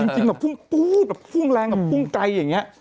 จริงแบบพุ่งปู๊ดแบบพุ่งแรงแบบพุ่งไกลอย่างนี้